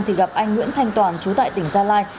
thì gặp anh nguyễn thanh toàn chú tại tỉnh gia lai